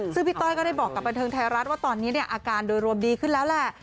ซึ่งพี่ต้อยก็ได้บอกกับบันเทิงไทยรัฐว่าตอนนี้เนี่ยอาการโดยรวมดีขึ้นแล้วแหละ